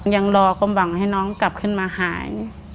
ยังรอความหวังให้น้องกลับขึ้นมาหาย